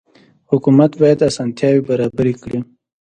حکومت باید اسانتیاوې برابرې کړي.